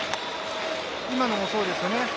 今のもそうですよね。